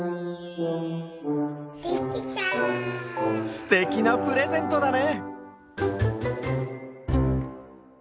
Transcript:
すてきなプレゼントだね！